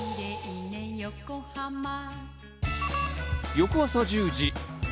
翌朝１０時。